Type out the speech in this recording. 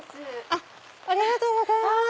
ありがとうございます。